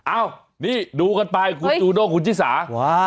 อ้าวนี่ดูกันไปกูดูโด่งคุณที่สัทธิ์